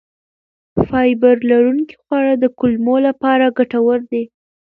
فایبر لرونکي خواړه د کولمو لپاره ګټور دي.